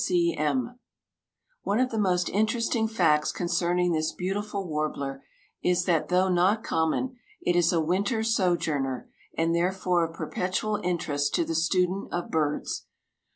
_) C. C. M. One of the most interesting facts concerning this beautiful warbler is that, though not common, it is a winter sojourner, and therefore of perpetual interest to the student of birds.